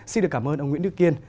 xin được cảm ơn ông nguyễn đức kiên